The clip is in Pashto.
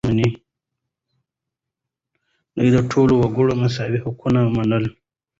ده د ټولو وګړو مساوي حقونه منل.